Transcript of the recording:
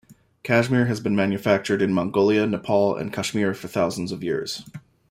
Cashmere has been manufactured in Mongolia, Nepal and Kashmir for thousands of years.